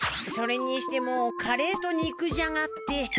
それにしてもカレーと肉じゃがって。